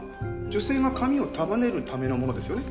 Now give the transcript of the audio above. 女性が髪を束ねるためのものですよね？